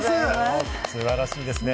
素晴らしいですね！